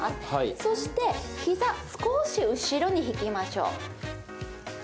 そしてひざ、少し後ろに引きましょう。